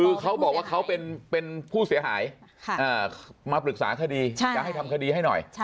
คือเขาบอกว่าเขาเป็นผู้เสียหายมาปรึกษาคดีจะให้ทำคดีให้หน่อย